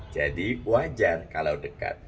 jadi wajar kalau dekat